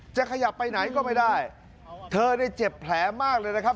ขยับไปไหนก็ไม่ได้เธอเนี่ยเจ็บแผลมากเลยนะครับ